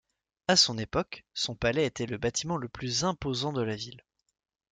À son époque, son palais était le bâtiment le plus imposant de la ville.